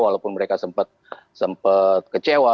walaupun mereka sempat kecewa